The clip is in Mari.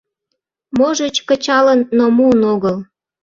— Можыч, кычалын, но муын огыл.